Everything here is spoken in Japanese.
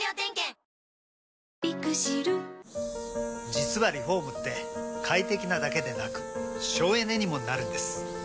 実はリフォームって快適なだけでなく省エネにもなるんです。